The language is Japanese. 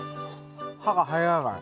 歯が入らない。